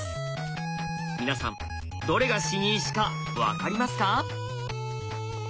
皆さんどれが死に石か分かりますか？